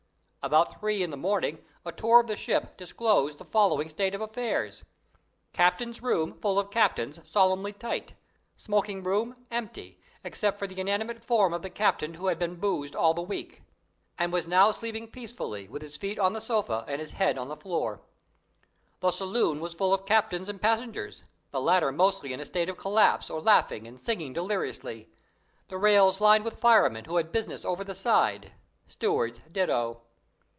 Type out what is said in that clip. "About three in the morning a tour of the ship disclosed the following state of affairs: Captain's room full of captains solemnly tight; smoking room empty, except for the inanimate form of the captain who had been boozed all the week, and was now sleeping peacefully with his feet on the sofa and his head on the floor. The saloon was full of captains and passengers the latter mostly in a state of collapse or laughing and singing deliriously; the rails lined with firemen who had business over the side; stewards ditto.